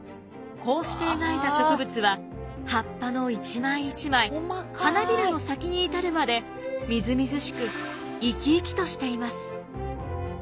こうして描いた植物は葉っぱの一枚一枚花びらの先に至るまでみずみずしく生き生きとしています。